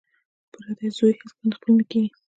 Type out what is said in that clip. پردی زوی هېڅکله خپل نه کیږي